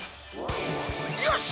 よし！